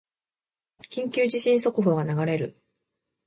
緊急地震速報が流れる